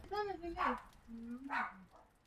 Wasichana ni wngi zaidi